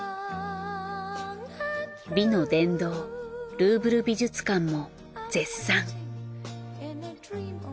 美の殿堂ルーヴル美術館も絶賛。